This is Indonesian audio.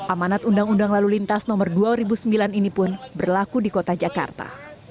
amanat undang undang lalu lintas nomor dua ribu sembilan ini pun berlaku di kota jakarta